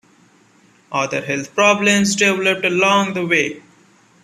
Other health problems developed along the way.